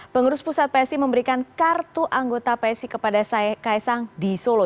pengurus pusat psi memberikan kartu anggota psi kepada kaisang di solo